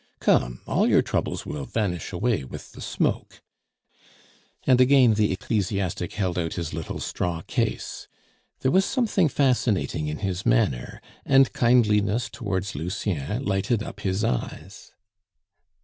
Come! all your troubles will vanish away with the smoke," and again the ecclesiastic held out his little straw case; there was something fascinating in his manner, and kindliness towards Lucien lighted up his eyes.